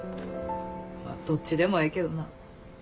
まあどっちでもええけどな。